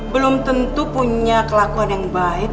belum tentu punya kelakuan yang baik